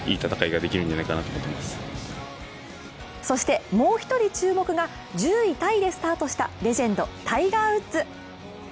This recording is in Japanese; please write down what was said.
そしてもう一人注目が１０位タイでスタートしたレジェンド、タイガー・ウッズ。